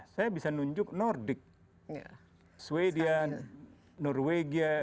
saya bisa nunjuk nordik sweden norwegia